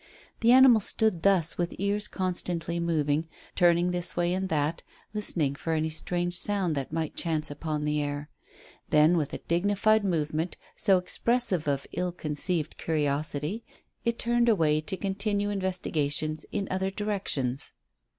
The animal stood thus with ears constantly moving, turning this way and that, listening for any strange sound that might chance upon the air. Then with a dignified movement, so expressive of ill concealed curiosity, it turned away to continue investigations in other directions.